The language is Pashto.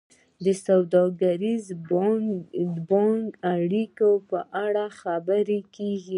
د سوداګریزو او بانکي اړیکو په اړه خبرې کیږي